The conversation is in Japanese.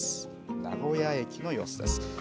名古屋駅の様子です。